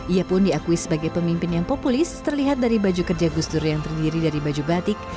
ia pun diakui sebagai pemimpin yang populis terlihat dari baju kerja gus dur yang terdiri dari baju batik